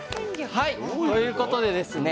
はいということでですね